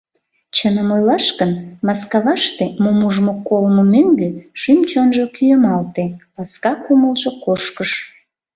Чыным ойлаш гын, Маскаваште мом ужмо-колмо мӧҥгӧ шӱм-чонжо кӱэмалте, ласка кумылжо кошкыш.